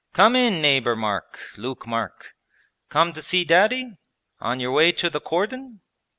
'Come in, neighbour Mark, Luke Mark. Come to see Daddy? On your way to the cordon?'